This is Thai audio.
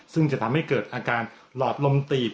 ซึ่งจะทำให้เกิดอาการหลอดลมตีบ